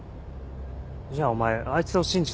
じゃあお前あいつを信じたわけじゃ。